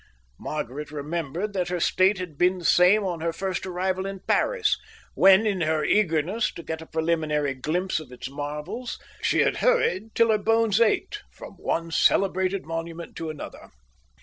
Margaret remembered that her state had been the same on her first arrival in Paris, when, in her eagerness to get a preliminary glimpse of its marvels, she had hurried till her bones ached from one celebrated monument to another.